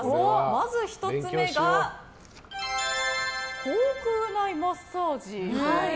まず１つ目が口腔内マッサージ。